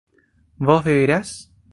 vos beberás